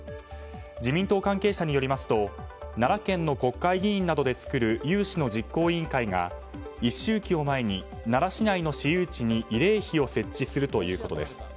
自民党関係者によりますと奈良県の国会議員などで作る有志の実行委員会が一周忌を前に奈良市内の私有地に慰霊碑を設置するということです。